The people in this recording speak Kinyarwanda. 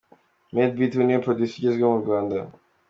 Madebeat, ubu ni we producer ugezweho mu Rwanda.